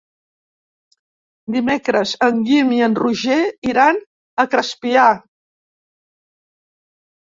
Dimecres en Guim i en Roger iran a Crespià.